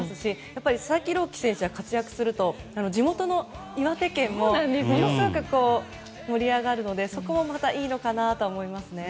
やっぱり佐々木朗希選手が活躍すると、地元の岩手県もものすごく盛り上がるのでそこがまたいいのかなと思いますね。